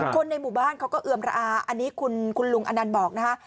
คนในหมู่บ้านเขาก็เอือมระอาอันนี้คุณลุงอนันต์บอกนะคะ